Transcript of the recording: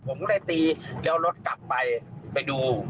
ผมก็เลยตีแล้วรถกลับไปไปดู